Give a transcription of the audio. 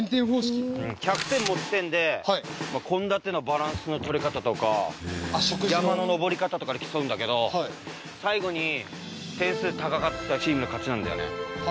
１００点持ち点で献立のバランスの取り方とか山の登り方とかで競うんだけど最後に点数高かったチームの勝ちなんだよね。